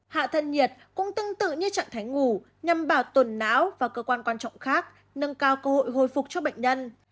hạ thân nhiệt cũng tương tự như trạng thái ngủ nhằm bảo tồn não và cơ quan quan trọng khác nâng cao cơ hội hồi phục cho bệnh nhân